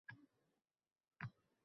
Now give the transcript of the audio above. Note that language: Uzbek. Koʻz yoshlaring art, Sardobajon